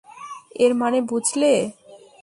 এর মানে বুঝলে?